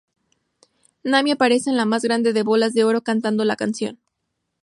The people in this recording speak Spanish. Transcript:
Namie aparece en la más grande de bolas de oro cantando la canción.